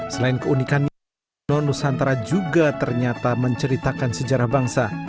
selain keunikan non nusantara juga ternyata menceritakan sejarah bangsa